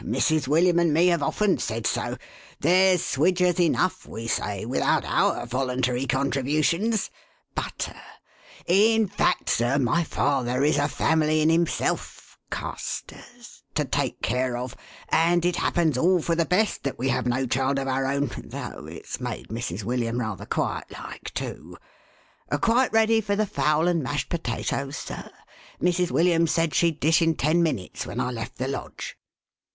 Mrs. William and me have often said so' 'There's Swidgers enough,1 we say, 'without our voluntary contributions, — MRS. WILLIAM'S MOTHERLY FEELING. 425 Butter. In fact, sir, my father is a family in himself — Castors— to take care of; and it happens all for the best that we have no child of our own, though it's made Mrs. William rather quiet like, too. Quite ready for the fowl and mashed potatoes, sir? Mrs. William said she'd dish in ten minutes when I left the Lodge?"